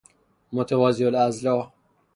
متوازی الاضلاع